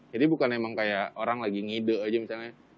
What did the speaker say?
jadi bukan emang kayak orang lagi ngide aja misalnya